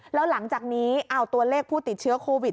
แล้วหลังจากนี้เอาตัวเลขผู้ติดเชื้อโควิด